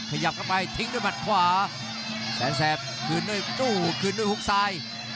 ขยับเข้าไปทิ้งด้วยมัดขวาแสนแสบคืนด้วยตู้คืนด้วยฮุกซ้าย